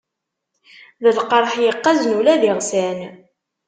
D lqerḥ yeqqazen ula d iɣsan.